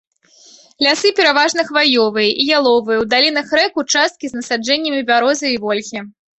Лясы пераважна хваёвыя і яловыя, у далінах рэк участкі з насаджэннямі бярозы і вольхі.